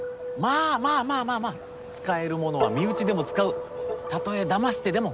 まあまあまあ使えるものは身内でも使うたとえだましてでも。